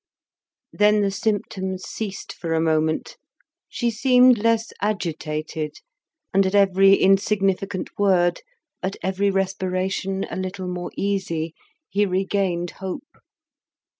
Then the symptoms ceased for a moment; she seemed less agitated; and at every insignificant word, at every respiration a little more easy, he regained hope.